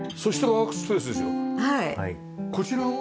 こちらは？